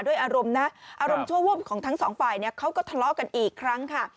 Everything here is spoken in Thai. ด้วยอารมณ์ชั่วว่มของทั้งสองฝ่ายเขาก็ทะเลากันอีกครั้งค่ะ